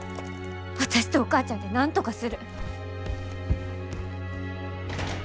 私とお母ちゃんでなんとかする。